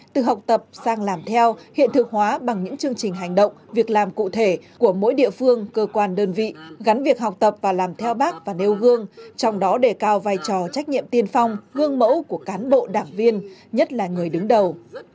từ học tập sang làm theo hiện thực hóa bằng những chương trình hành động việc làm cụ thể của mỗi địa phương cơ quan đơn vị gắn việc học tập và làm theo bác và nêu gương trong đó đề cao vai trò trách nhiệm tiên phong gương mẫu của cán bộ đảng viên nhất là người đứng đầu